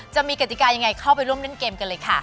จะมีกติกายังไงเข้าไปร่วมเล่นเกมกันเลยค่ะ